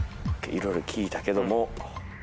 いろいろ聞いたけども。